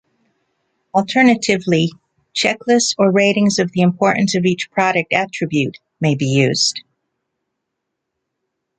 Alternatively checklists or ratings of the importance of each product attribute may be used.